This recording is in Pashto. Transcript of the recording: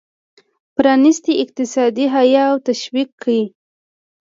پرانیستی اقتصاد یې حیه او تشویق کړ.